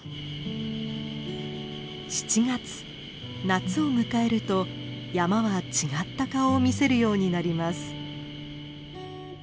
夏を迎えると山は違った顔を見せるようになります。